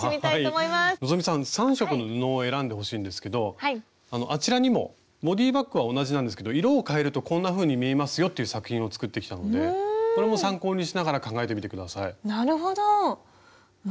希さん３色の布を選んでほしいんですけどあちらにもボディーバッグは同じなんですけど色を変えるとこんなふうに見えますよっていう作品を作ってきたのでこれも参考にしながら考えてみて下さい。